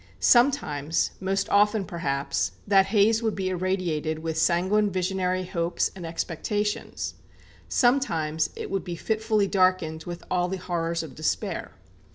Sometimes most often, perhaps that haze would be irradiated with sanguine visionary hopes and expectations. Sometimes it would be fitfully darkened with all the horrors of despair.